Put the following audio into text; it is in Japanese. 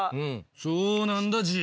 そうなんだＧ。